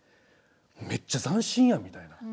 めっちゃ斬新やん」みたいな。